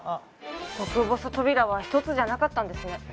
極細扉は１つじゃなかったんですね